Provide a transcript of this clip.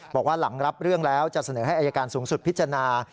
บอกว่าหลังรับเรื่องแล้วจะเสนอให้อายการสูงสุดพิจารณา